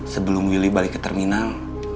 sebelum willy balik ke terminal